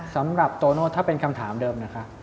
สำหรับโตโน่ถ้าเป็นคำถามเดิมนะคะ